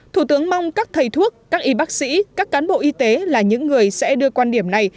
thủ tướng mong các thầy thuốc các y bác sĩ các cán bộ y tế là những người sẽ đưa quan điểm này